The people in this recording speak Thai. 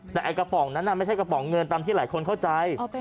แต่ไอ้กระป๋องนั้นไม่ใช่กระป๋องเงินตามที่หลายคนเข้าใจ